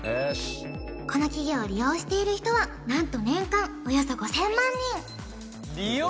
この企業を利用している人は何と年間およそ５０００万人利用？